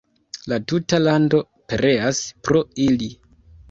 La tuta lando pereas pro ili.